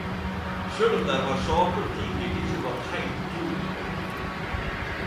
Sjølv om det var saker og ting der eg ikkje vart heilt klok på.